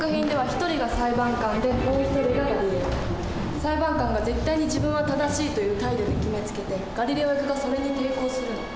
裁判官が絶対に自分は正しいという態度で決めつけてガリレオ役がそれに抵抗するの。